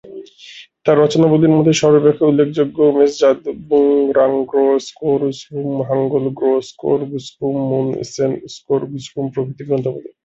তার রচনাগুলির মধ্যে সর্বাপেক্ষা উল্লেখযোগ্য হল ম্দ্জোদ-ব্দুন, রাং-গ্রোল-স্কোর-গ্সুম, ঙ্গাল-গ্সো-স্কোর-গ্সুম, মুন-সেল-স্কোর-গ্সুম প্রভৃতি গ্রন্থগুলি।